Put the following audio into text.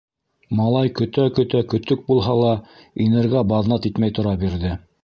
Малай көтә-көтә көтөк булһа ла, инергә баҙнат итмәй тора бирҙе.